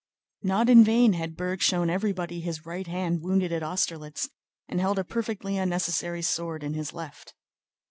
Not in vain had Berg shown everybody his right hand wounded at Austerlitz and held a perfectly unnecessary sword in his left.